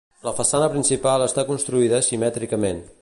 La façana principal està construïda simètricament.